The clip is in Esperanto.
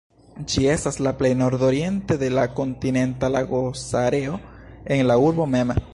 Ĝi estas plej nordoriente de la Kontinenta Lagosareo en la urbo mem.